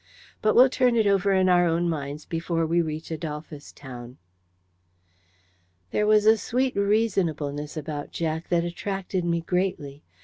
But we'll turn it over in our own minds before we reach Adolphus Town." There was a sweet reasonableness about Jack that attracted me greatly.